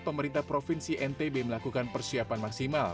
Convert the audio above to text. pemerintah provinsi ntb melakukan persiapan maksimal